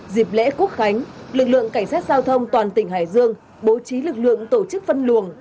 dịp lễ quốc khánh lực lượng cảnh sát giao thông toàn tỉnh hải dương bố trí lực lượng tổ chức phân luồng